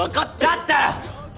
だったら！